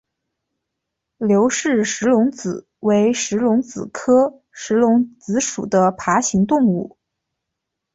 刘氏石龙子为石龙子科石龙子属的爬行动物。